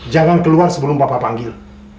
jangan keluar sebelum bapak panggil